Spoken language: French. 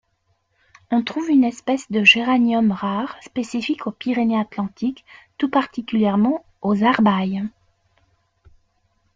On trouve une espèce de géranium rare, spécifique aux Pyrénées-Atlantiques, tout particulièrement aux Arbailles.